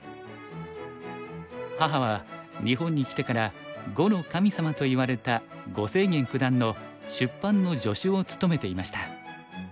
母は日本に来てから碁の神様といわれた呉清源九段の出版の助手を務めていました。